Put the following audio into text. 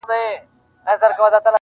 د پامیر دي، د هري، د ننګرهار دي -